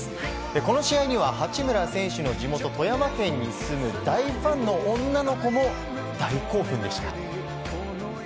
この試合には八村選手の地元・富山県に住む大ファンの女の子も大興奮でした。